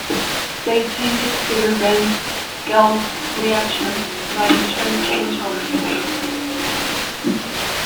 State changes trigger events called reactions, that in turn change other states.